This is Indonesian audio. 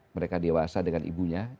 mereka dewasa dengan ibunya